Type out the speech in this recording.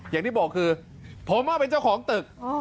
อย่างที่บอกคือผมเป็นเจ้าของตึก